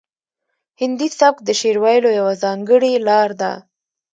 هندي سبک د شعر ویلو یوه ځانګړې لار ده